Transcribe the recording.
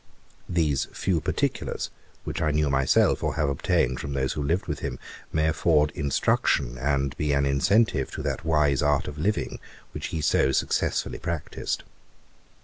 These few particulars, which I knew myself, or have obtained from those who lived with him, may afford instruction, and be an incentive to that wise art of living, which he so successfully practised.'